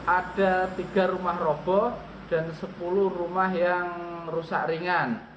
ada tiga rumah robo dan sepuluh rumah yang rusak ringan